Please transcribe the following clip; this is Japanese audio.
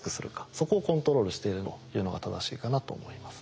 そこをコントロールしているというのが正しいかなと思います。